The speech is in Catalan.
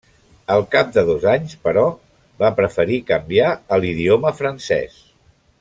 Al cap de dos anys, però, va preferir canviar a l'idioma francès.